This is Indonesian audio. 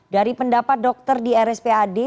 dari pendapat dokter di rspad